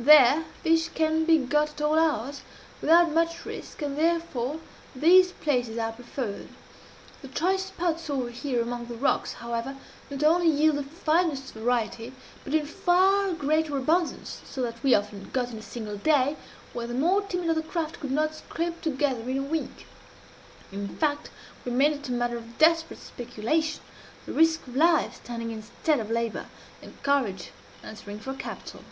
There fish can be got at all hours, without much risk, and therefore these places are preferred. The choice spots over here among the rocks, however, not only yield the finest variety, but in far greater abundance; so that we often got in a single day what the more timid of the craft could not scrape together in a week. In fact, we made it a matter of desperate speculation the risk of life standing instead of labor, and courage answering for capital.